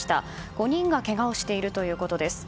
５人がけがをしているということです。